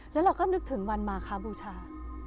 แล้วเราก็นึกถึงวันมาครับบูชา